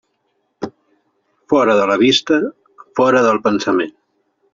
Fora de la vista, fora del pensament.